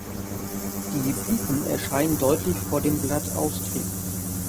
Die Blüten erscheinen deutlich vor dem Blattaustrieb.